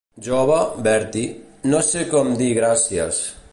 Jove, Bertie, no sé com dir gràcies.